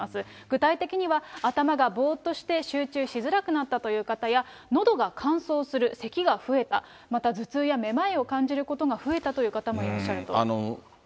具体的には、頭がぼーっとして集中しづらくなったという方や、のどが乾燥する、せきが増えた、また頭痛やめまいを感じることが増えたという方もいらっしゃると。